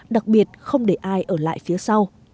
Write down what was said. đặc biệt không để ai ở lại phía sau